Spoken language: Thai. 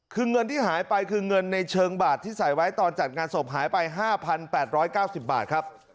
คือเงินที่หายไปคือเงินในเชิงบาทที่ใส่ไว้ตอนจัดงานศพหายไป๕๘๙๐บาทครับ